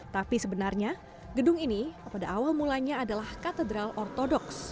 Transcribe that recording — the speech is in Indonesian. tapi sebenarnya gedung ini pada awal mulanya adalah katedral ortodoks